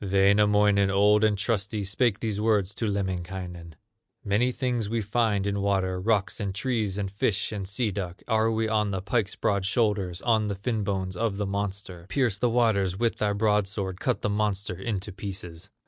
Wainamoinen, old and trusty, Spake these words to Lemminkainen: "Many things we find in water, Rocks, and trees, and fish, and sea duck; Are we on the pike's broad shoulders, On the fin bones of the monster, Pierce the waters with thy broadsword, Cut the monster into pieces."